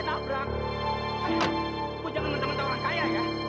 udah gue ujitin saya